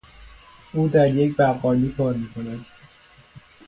او در یک بقالی کار میکند.